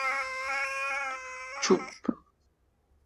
چوپ۔